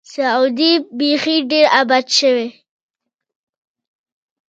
سعودي بیخي ډېر آباد شوی.